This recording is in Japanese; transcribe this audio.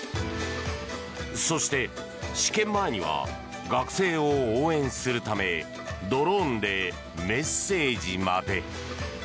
そして、試験前には学生を応援するためドローンでメッセージまで。